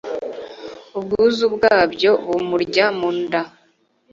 Ubwuzu bwabyo bumurya mu nda